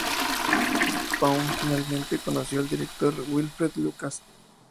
Pawn finalmente conoció al director Wilfred Lucas.